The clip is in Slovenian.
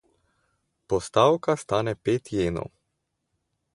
Postavka stane pet jenov.